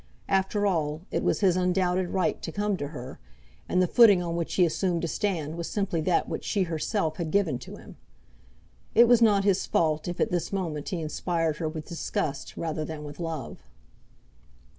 After all, it was his undoubted right to come to her, and the footing on which he assumed to stand was simply that which she herself had given to him. It was not his fault if at this moment he inspired her with disgust rather than with love.